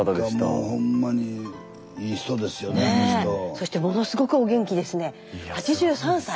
そしてものすごくお元気ですね８３歳。